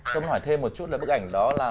tôi muốn hỏi thêm một chút về bức ảnh đó là